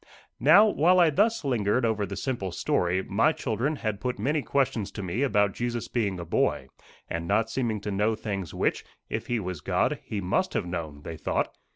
Now, while I thus lingered over the simple story, my children had put many questions to me about Jesus being a boy, and not seeming to know things which, if he was God, he must have known, they thought.